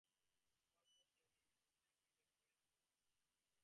Father J. Lorne Reynolds appointed parish priest.